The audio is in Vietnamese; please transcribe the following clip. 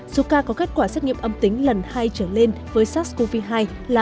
số ca có kết quả xét nghiệm âm tính lần hai trở lên với sars cov hai là một mươi ca ba